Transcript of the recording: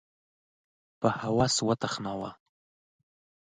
په هوس وتخناوه